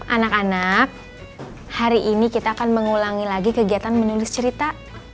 anak anak hari ini kita akan mengulangi lagi kegiatan menulis cerita